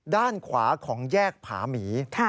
ด้านขวาของแยกผาหมี